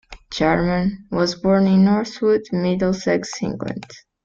Jarman was born in Northwood, Middlesex, England.